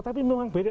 tapi memang beda